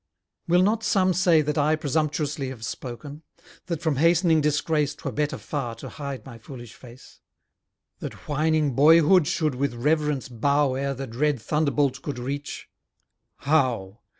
Will not some say that I presumptuously Have spoken? that from hastening disgrace 'Twere better far to hide my foolish face? That whining boyhood should with reverence bow Ere the dread thunderbolt could reach? How!